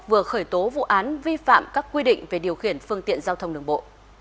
vừa khởi tố vụ án vi phạm các quy định về điều khiển phương tiện giao thông đường bộ